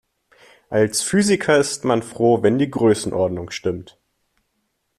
Als Physiker ist man froh, wenn die Größenordnung stimmt.